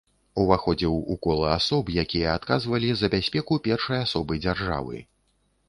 Уваходзіў у кола асоб, якія адказвалі за бяспеку першай асобы дзяржавы.